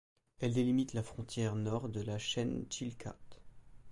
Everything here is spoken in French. Elle délimite la frontière nord de la chaîne Chilkat.